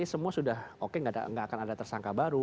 nanti semua sudah oke gak akan ada tersangka baru